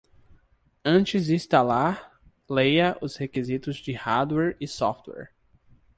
Antes de instalar, leia os requisitos de hardware e software.